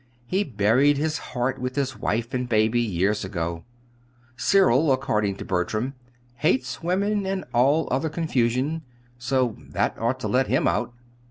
He buried his heart with his wife and baby years ago. Cyril, according to Bertram, 'hates women and all other confusion,' so that ought to let him out.